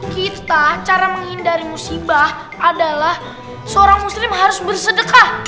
kita cara menghindari musibah adalah seorang muslim harus bersedekah